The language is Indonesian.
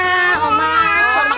oh dia makan apa